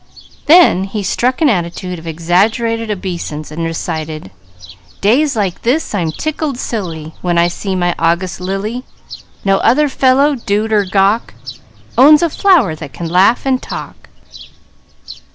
Then he struck an attitude of exaggerated obeisance and recited: "_Days like this I'm tickled silly, When I see my August Lily. No other fellow, dude or gawk, Owns a flower that can laugh and talk.